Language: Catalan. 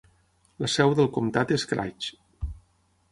La seu del comtat és Craig.